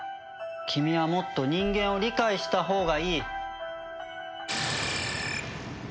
君はもっと人間を理解したほうがいい。